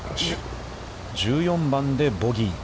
１４番でボギー。